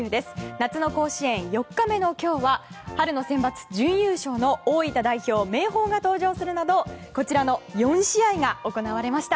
夏の甲子園４日目の今日は春のセンバツ準優勝の大分、明豊が登場するなど４試合が行われました。